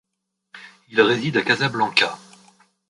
Il réside à Casablanca.